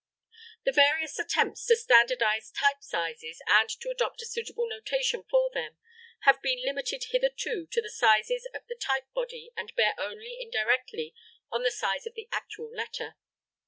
The various attempts to standardize type sizes and to adopt a suitable notation for them have been limited hitherto to the sizes of the type body and bear only indirectly on the size of the actual letter.